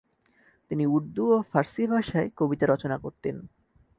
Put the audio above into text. তিনি উর্দু ও ফার্সি ভাষায় কবিতা রচনা করতেন।